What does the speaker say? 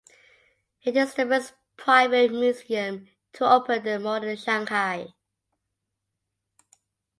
It is the first private museum to open in modern Shanghai.